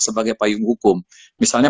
sebagai payung hukum misalnya